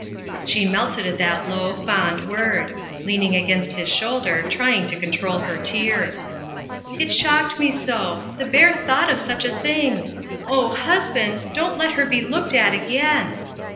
She melted at that low, fond word; leaning against his shoulder trying to control her tears. "It shocked me so the bare thought of such a thing. Oh! husband, don't let her be looked at again."